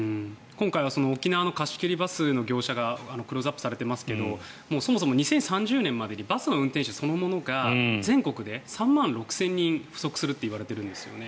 今回は沖縄の貸し切りバスの業者がクローズアップされていますがそもそも２０３０年までにバスの運転手そのものが全国で３万６０００人不足するといわれてるんですよね